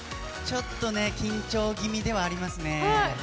ちょっと緊張気味ではありますね。